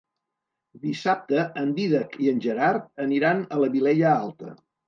Dissabte en Dídac i en Gerard aniran a la Vilella Alta.